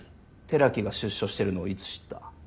寺木が出所してるのをいつ知った？